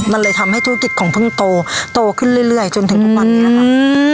มันเลยทำให้ธุรกิจของเพิ่งโตโตขึ้นเรื่อยจนถึงประมาณนี้